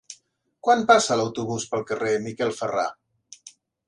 Quan passa l'autobús pel carrer Miquel Ferrà?